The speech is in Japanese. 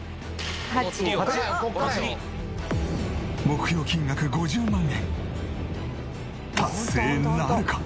目標金額５０万円達成なるか？